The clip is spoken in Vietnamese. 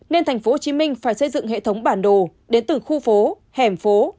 nên tp hcm phải xây dựng hệ thống bản đồ đến từng khu phố hẻm phố